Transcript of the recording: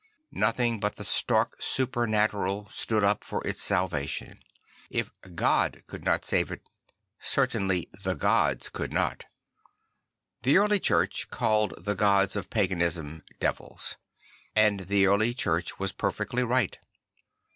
Nothing but the stark supernatural stood up for its salvation; if God could not sa ve it , certainly the gods could not. The Early Church called the gods of paganism devils; and the Early Church was perfectly right.